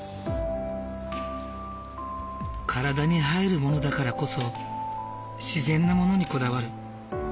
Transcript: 体に入るものだからこそ自然なものにこだわる。